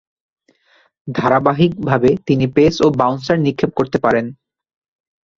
ধারাবাহিকভাবে তিনি পেস ও বাউন্সার নিক্ষেপ করতে পারেন।